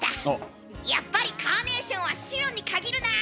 「やっぱりカーネーションは白に限るなあ！」